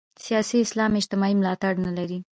سیاسي اسلام اجتماعي ملاتړ نه لري.